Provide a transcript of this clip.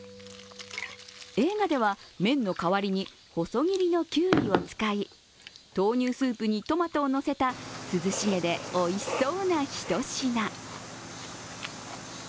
映画では麺の代わりに細切りのきゅうりを使い、豆乳スープにトマトをのせた、涼しげで、おいしそうなひと品。